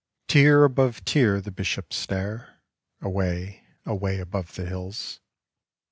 Tier above tier the Bishops stare Away, away, above the hills.